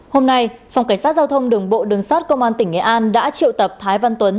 hôm nay phòng cảnh sát giao thông đường bộ đường sát công an tỉnh nghệ an đã triệu tập thái văn tuấn